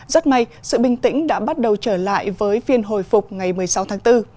rất may sự bình tĩnh đã bắt đầu trở lại với phiên hồi phục ngày một mươi sáu tháng bốn